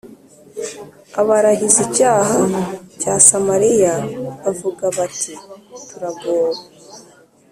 abarahiza icyaha cya samariya bavuga bati turagowe